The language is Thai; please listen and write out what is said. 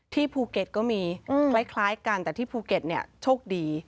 ภูเก็ตก็มีคล้ายกันแต่ที่ภูเก็ตเนี่ยโชคดี